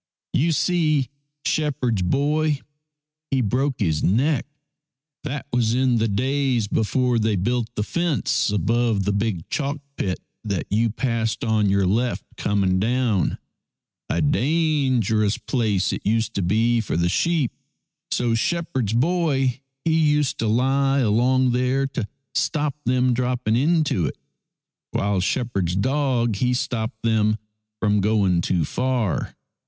You see, shepherd's boy he broke his neck. ..." That was in the days before they built the 106 SHEPHEKD'S BOY fence above the big chalk pit that you passed on your left coming down. A dangerous place it used to be for the sheep, so shepherd's boy he used to lie along there to stop them dropping into it, while shepherd's dog he stopped them from going too far.